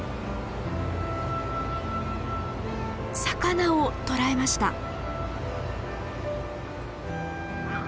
魚を捕らえました。